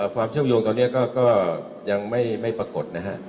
ความเชื่อมโยงตอนนี้ก็ยังไม่ปรากฏนะฮะ